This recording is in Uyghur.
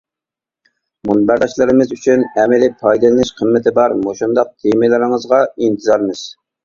مۇنبەرداشلىرىمىز ئۈچۈن ئەمەلىي پايدىلىنىش قىممىتى بار مۇشۇنداق تېمىلىرىڭىزغا ئىنتىزارمىز!